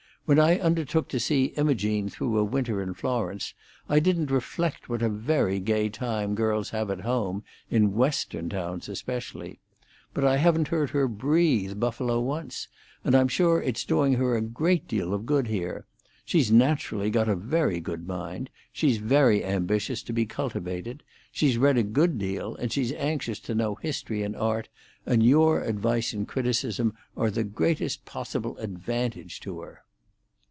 When I undertook to see Imogene through a winter in Florence, I didn't reflect what a very gay time girls have at home, in Western towns especially. But I haven't heard her breathe Buffalo once. And I'm sure it's doing her a great deal of good here. She's naturally got a very good mind; she's very ambitious to be cultivated. She's read a good deal, and she's anxious to know history and art; and your advice and criticism are the greatest possible advantage to her."